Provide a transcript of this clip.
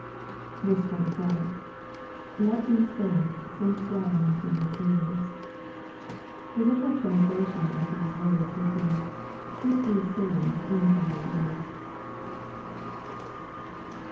44. — [Lei these tayings sink down into your eara^ The literal trans lation of these words would be, "Put these sayings into your ears."